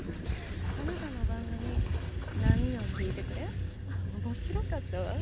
あなたの番組『波よ聞いてくれ』面白かったわ。